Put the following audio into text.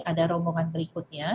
ada rombongan berikutnya